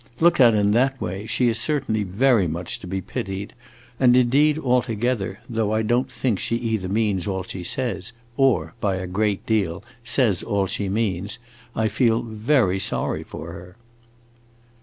Looked at in that way she is certainly very much to be pitied, and indeed, altogether, though I don't think she either means all she says or, by a great deal, says all that she means. I feel very sorry for her."